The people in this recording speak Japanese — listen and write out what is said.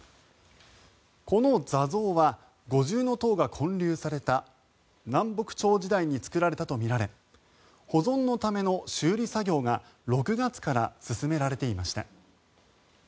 この坐像は五重塔が建立された南北朝時代に造られたとみられ保存のための修理作業が６月から進められていました。